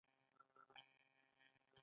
احمد؛ علي ته غاړه ايښې ده.